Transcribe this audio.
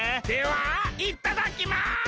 ではいっただっきます！